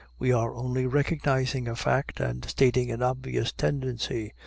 We are only recognizing a fact and stating an obvious tendency.